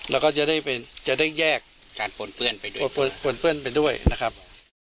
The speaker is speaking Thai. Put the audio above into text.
แล้วก็จะได้แยกการปนเปื้อนไปด้วยปนเปื้อนไปด้วยนะครับ